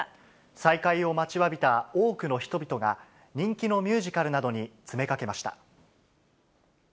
再開を待ちわびた多くの人々が、人気のミュージカルなどに詰めかけました。